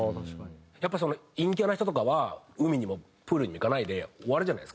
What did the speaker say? やっぱり陰キャな人とかは海にもプールにも行かないで終わるじゃないですか。